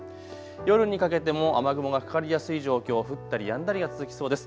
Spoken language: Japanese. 夜にかけても雨雲がかかりやすい状況、降ったり、やんだりが続きそうです。